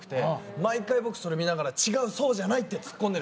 毎回、僕、それ見ながら違う、そうじゃない！ってツッコんでる。